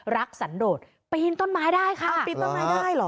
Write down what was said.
สันโดดปีนต้นไม้ได้ค่ะเอาปีนต้นไม้ได้เหรอ